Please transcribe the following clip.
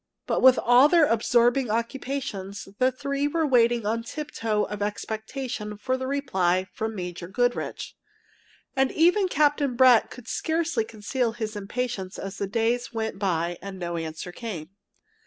But with all their absorbing occupations, the three were waiting on tiptoe of expectation for a reply from Major Goodrich. And even Captain Brett could scarcely conceal his impatience as the days went by and no answer came.